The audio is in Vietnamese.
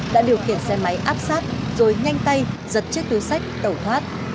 đã điều khiển xe máy áp sát rồi nhanh tay giật chiếc túi sách tẩu thoát